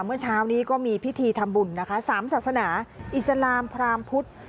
เมื่อเช้านี้ก็มีพิธีทำบุญนะคะสามศาสนาอิสลามพรามพุทธ